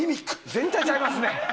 絶対ちゃいますね。